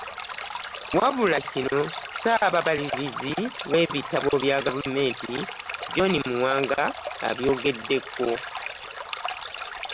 Wabula kino Ssaababalirizi w'ebitabo bya gavumenti, John Muwanga abyogeddeko